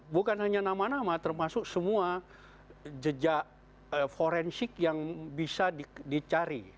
bukan hanya nama nama termasuk semua jejak forensik yang bisa dicari